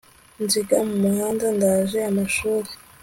Nziga mu mahanga ndangije amashuri